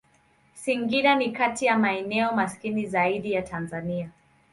Singida ni kati ya maeneo maskini zaidi ya Tanzania.